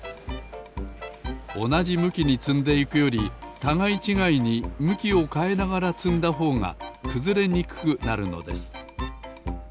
おなじむきにつんでいくよりたがいちがいにむきをかえながらつんだほうがくずれにくくなるのです。